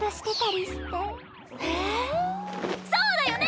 そうだよね